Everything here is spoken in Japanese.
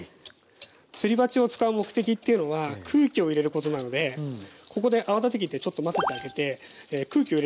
すり鉢を使う目的っていうのが空気を入れることなのでここで泡立て器でちょっと混ぜてあげて空気を入れてあげるということです。